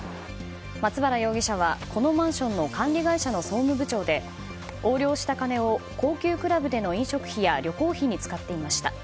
松原容疑者はこのマンションの管理会社の総務部長で横領した金を高級クラブでの飲食費や旅行費に使っていました。